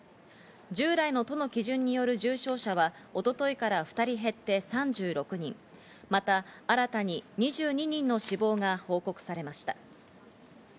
従来の都の基準による重症者は一昨日から２人減って３６人、また新たに２２人の死亡が報告されました。